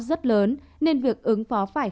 rất lớn nên việc ứng phó phải